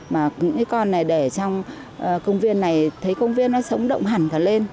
mà những cái con này để trong công viên này thấy công viên nó sống động hẳn cả lên